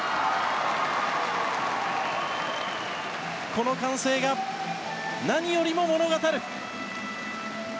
この歓声が何よりも物語る。